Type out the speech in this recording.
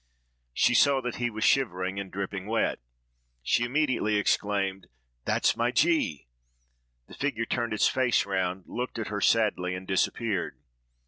She saw that he was shivering and dripping wet. She immediately exclaimed, "That's my G——!" The figure turned its face round, looked at her sadly, and disappeared.